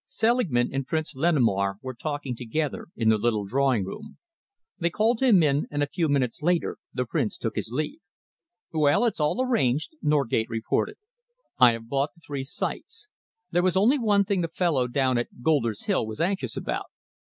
Selingman and Prince Lenemaur were talking together in the little drawing room. They called him in, and a few minutes later the Prince took his leave. "Well, that's all arranged," Norgate reported. "I have bought the three sites. There was only one thing the fellow down at Golder's Hill was anxious about."